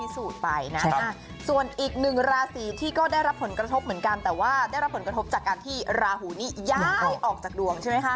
ส่วนอีกหนึ่งราศีที่ก็ได้รับผลกระทบเหมือนกันแต่ว่าได้รับผลกระทบจากการที่ราหูนี้ย้ายออกจากดวงใช่ไหมคะ